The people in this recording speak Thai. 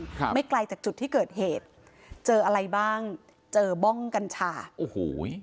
ครับไม่ไกลจากจุดที่เกิดเหตุเจออะไรบ้างเจอบ้องกัญชาโอ้โห